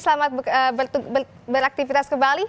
selamat beraktivitas ke bali